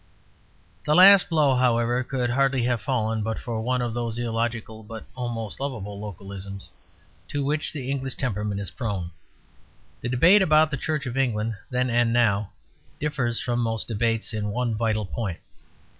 The last blow, however, could hardly have fallen but for one of those illogical but almost lovable localisms to which the English temperament is prone. The debate about the Church of England, then and now, differs from most debates in one vital point.